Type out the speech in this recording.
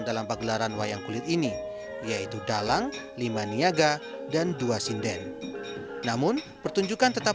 dalam pagelaran wayang kulit ini yaitu dalang lima niaga dan dua sinden namun pertunjukan tetap